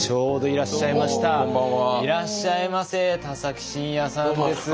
いらっしゃいませ田崎真也さんです。